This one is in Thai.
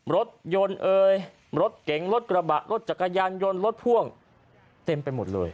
รถยนต์เอ่ยรถเก๋งรถกระบะรถจักรยานยนต์รถพ่วงเต็มไปหมดเลย